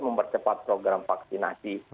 mempercepat program vaksinasi